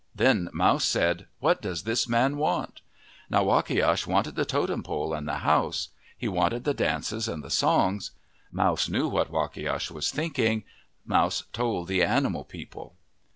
Then Mouse said, "What does this man want?' Now Wakiash wanted the totem pole and the house. He wanted the dances and the songs. Mouse knew what Wakiash was thinking. Mouse told the animal people.